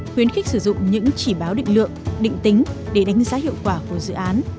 khuyến khích sử dụng những chỉ báo định lượng định tính để đánh giá hiệu quả của dự án